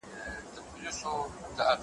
حافظې ميراث ساتونکي